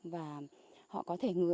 và họ có thể